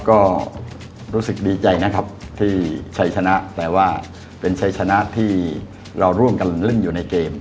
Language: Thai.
ก็รู้สึกดีใจนะครับที่ชัยชนะแต่ว่าเป็นชัยชนะที่เราร่วมกันเล่นอยู่ในเกม